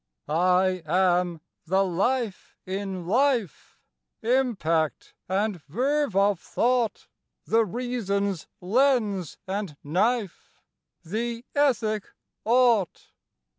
I am the Life in life, Impact and verve of thought, The reason's lens and knife, The ethic "ought."